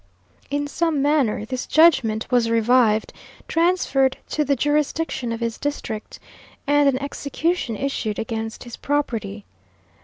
In some manner this judgment was revived, transferred to the jurisdiction of his district, and an execution issued against his property.